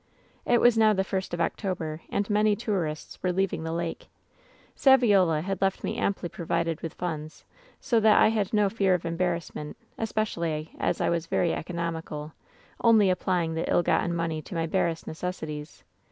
"It was now the first of October, and many tourists were leaving the lake. Saviola had left me amply pro vided with funds, so that I had no fear of embarrass ment, especially as I was very economical, only applying the ill gotten money to my barest necessities.